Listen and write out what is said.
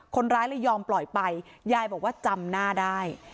คนร้ายเลยยอมปล่อยไปยายบอกว่าจำหน้าได้